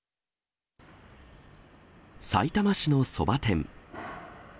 さいたま市のそば店。